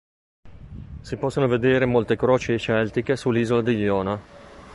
Si possono vedere molte croci celtiche sull'isola di Iona.